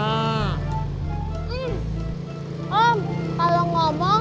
om kalau ngomong gak usah ngadep belakang